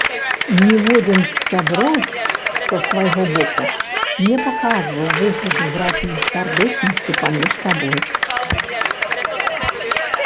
Ніводзін з сяброў з свайго боку не паказваў выгляду братняй сардэчнасці паміж сабою.